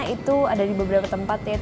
itu ada di beberapa tempat ya